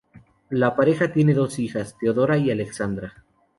La pareja tiene dos hijas, Theodora y Alexandra.